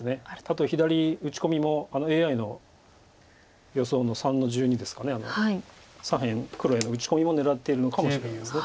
あと左打ち込みもＡＩの予想の３の十二ですか左辺黒への打ち込みも狙ってるのかもしれないです。